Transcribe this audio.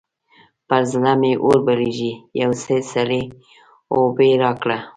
پر زړه مې اور بلېږي؛ يو څه سړې اوبه راکړه.